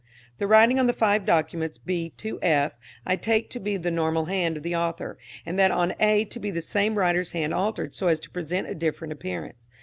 The writing on the five documents B to F I take to be the normal hand of the author, and that on A to be the same writer's hand altered so as to present a different appearance.